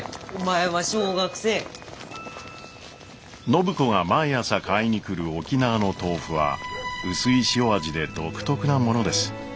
暢子が毎朝買いにくる沖縄の豆腐は薄い塩味で独特なものです。